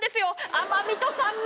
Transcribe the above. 甘みと酸味！